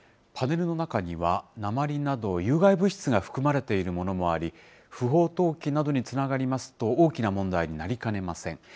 パネルの中には鉛など、有害物質が含まれているものもあり、不法投棄などにつながりますと大きな問題になりかねません。